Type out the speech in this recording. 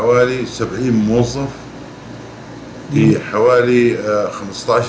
ya kita ada sekitar tujuh puluh muassasah di sekitar tujuh puluh jemaah